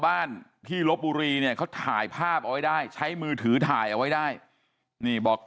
บ้านที่ลบบุรีเนี่ยเขาถ่ายภาพเอาไว้ได้ใช้มือถือถ่ายเอาไว้ได้นี่บอก